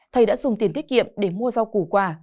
thầy đã dùng tiền thiết kiệm để mua rau củ quà